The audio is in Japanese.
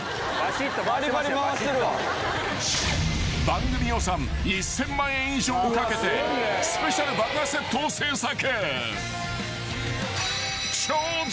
［番組予算１，０００万円以上をかけてスペシャル爆破セットを製作］